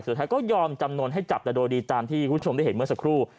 สุดท้ายก็ยอมจำนวนให้จับแต่โดยดีตามที่คุณผู้ชมได้เห็นเมื่อสักครู่